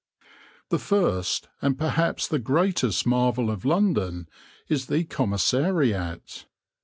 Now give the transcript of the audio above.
The first and perhaps the greatest marvel of London is the commissariat.